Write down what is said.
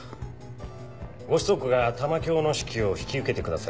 ご子息が玉響の指揮を引き受けてくださるとか。